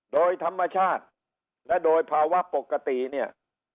โดยธรรมชาติและโดยภาวะปกติเนี่ย